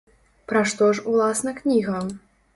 Пра што ж уласна кніга?